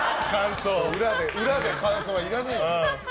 裏で感想はいらないよ。